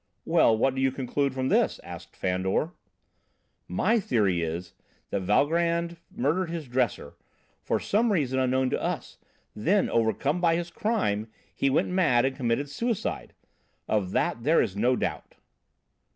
"Well, what do you conclude from this?" asked Fandor. "My theory is that Valgrand murdered his dresser, for some reason unknown to us. Then, overcome by his crime, he went mad and committed suicide. Of that there is no doubt."